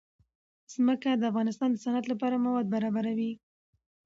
ځمکه د افغانستان د صنعت لپاره مواد برابروي.